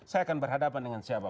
saya akan berhadapan dengan siapa